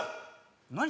何？